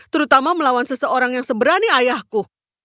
terutama melawan seseorang yang seberani ayahku